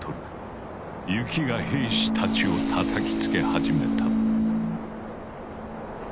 雪が兵士たちをたたきつけ始めた。